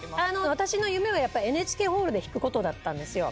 私の夢はＮＨＫホールで弾くことだったんですよ。